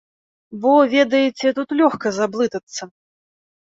Бо, ведаеце, тут лёгка заблытацца.